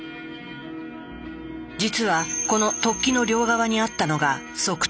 実はこの突起の両側にあったのが側頭筋。